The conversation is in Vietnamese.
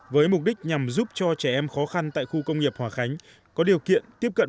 với mục đích nhằm giúp cho trẻ em khó khăn tại khu công nghiệp hòa khánh có điều kiện tiếp cận